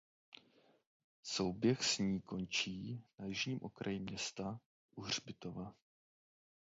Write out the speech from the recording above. Souběh s ní končí na jižním okraji města u hřbitova.